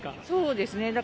そうですね。